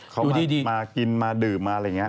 เขามากินมาดื่มมาอะไรอย่างนี้